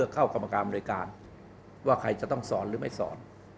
กรรมการอำนวยการว่าใครจะต้องสอนหรือไม่สอน